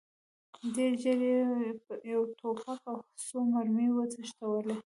ډېر ژر یې یو توپک او څو مرمۍ وتښتولې.